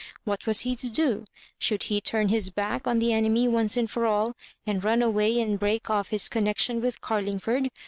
What was he to do ? should he turn his back on the enemy once for all, and run away and break off his connection with Oarlingford?